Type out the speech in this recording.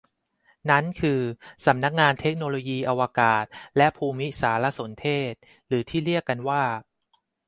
นั้นคือสำนักงานเทคโนโลยีอวกาศและภูมิสารสนเทศหรือที่เรียกกันว่า